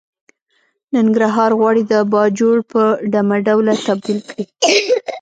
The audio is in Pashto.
ننګرهار غواړي د باجوړ په ډمه ډوله تبديل کړي.